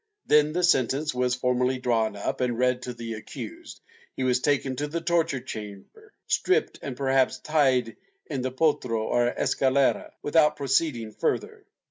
Then the sentence was formally drawn up and read to the accused, he was taken to the torture chamber, stripped and per haps tied on the yotro or escalera, without proceeding further.